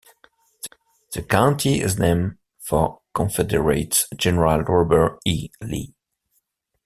The county is named for Confederate General Robert E. Lee.